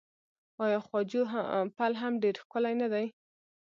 آیا خواجو پل هم ډیر ښکلی نه دی؟